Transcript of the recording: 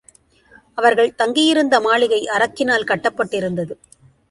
அவர்கள் தங்கி இருந்த மாளிகை அரக்கினால் கட்டப் பட்டிருந்தது.